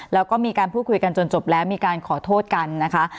แล้วก็มีการพูดคุยกันจนจบแล้วมีการขอโทษกันนะคะ